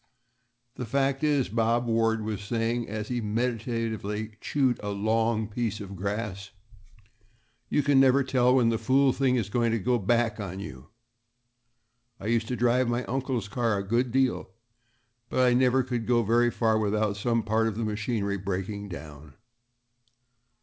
"The fact is," Bob Ward was saying, as he meditatively chewed a long piece of grass, "you never can tell when the fool thing is going to go back on you. I used to drive my uncle's car a good deal, but I never could go very far without some part of the machinery breaking down.